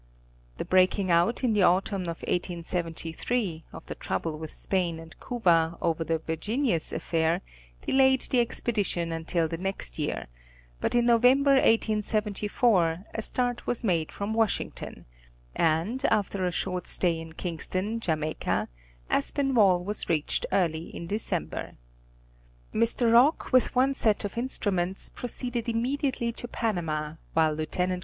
The breaking out in the autumn of 1873, of the trouble with Spain and Cuba, over the Virginius affair, delayed the expedition until the next year, but in November 1874, a start was made from Washington, and after a short stay m Kingston, Jamacia, Aspinwall was reached early in December. Mr. Rock with one set of instruments proceeded immediately to Panama, while Lieut.